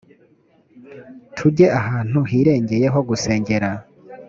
tujye ahantu hirengeye ho gusengera